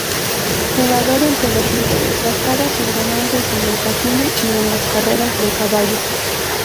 Jugador empedernido, gastaba sus ganancias en el casino y en las carreras de caballos.